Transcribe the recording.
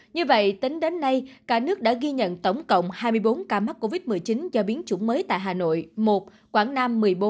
như vậy tính đến nay cả nước đã ghi nhận tổng cộng hai mươi bốn ca mắc covid một mươi chín do biến chủng mới tại hà nội một quảng nam một mươi bốn